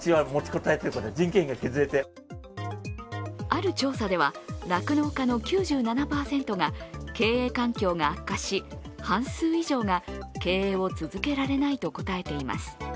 ある調査では、酪農家の９７％が経営環境が悪化し、半数以上が経営を続けられないと答えています。